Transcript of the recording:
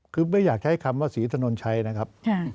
คือไม่อยากใช้คำว่าศรีถนนชัยนะครับ